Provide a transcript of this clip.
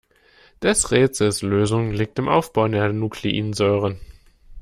Des Rätsels Lösung liegt im Aufbau der Nukleinsäure.